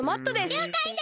りょうかいです！